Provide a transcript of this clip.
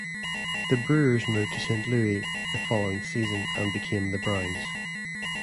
The Brewers moved to Saint Louis the following season, and became the Browns.